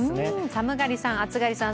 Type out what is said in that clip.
寒がりさん、暑がりさん